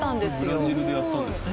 ブラジルでやったんですか？